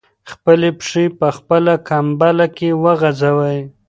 خپلې پښې په خپله کمپله کې وغځوئ.